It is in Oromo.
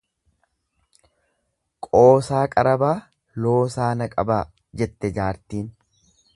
"""Qoosaa qarabaa, loosaa na qabaa"" jette jaartiin."